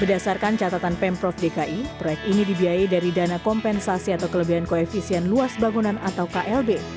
berdasarkan catatan pemprov dki proyek ini dibiayai dari dana kompensasi atau kelebihan koefisien luas bangunan atau klb